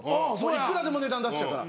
いくらでも値段出しちゃうから。